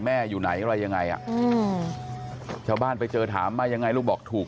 อยู่ไหนอะไรยังไงอ่ะอืมชาวบ้านไปเจอถามมายังไงลูกบอกถูก